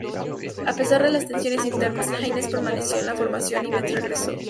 A pesar de las tensiones internas, Haynes permaneció en la formación y Betts regresó.